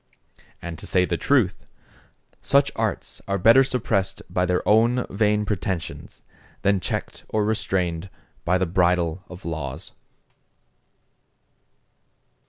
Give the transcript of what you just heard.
And to say the truth, such arts are better suppressed by their own vain pretensions, than checked or restrained by the bridle of laws.